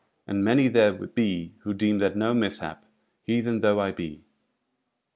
And many there be who deem that no mishap, heathen though I be.